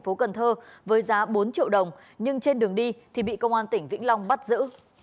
phố cần thơ với giá bốn triệu đồng nhưng trên đường đi thì bị công an tỉnh vĩnh long bắt giữ